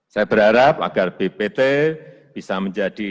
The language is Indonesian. saya berharap agar bpt bisa menjadi